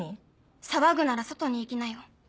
騒ぐなら外に行きなよ。